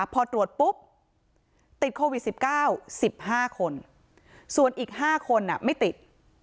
พอตรวจปุ๊บติดโควิด๑๙๑๕คนส่วนอีก๕คนไม่ติด